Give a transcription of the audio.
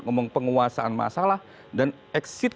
ngomong penguasaan masalah dan exit